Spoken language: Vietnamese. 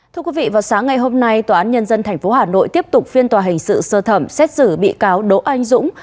thưa quý vị vào sáng ngày hôm nay tòa án nhân dân tp hà nội tiếp tục phiên tòa hình sự sơ thẩm xét xử bị cáo đỗ anh dũng